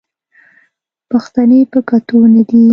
پښتنې په کتو نه دي